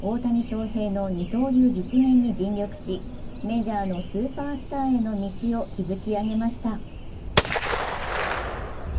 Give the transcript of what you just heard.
２０１３年からは大谷翔平の二刀流実現に尽力しメジャーのスーパースターへの道を築き上げました。